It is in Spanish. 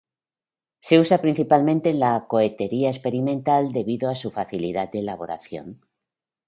Se usa principalmente en la cohetería experimental debido a su facilidad de elaboración.